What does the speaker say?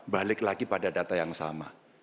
balik lagi pada data yang sama